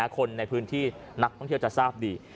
คนในพื้นที่นักท่องเที่ยวจะทราบดี